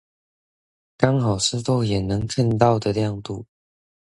剛好是肉眼能看到的亮度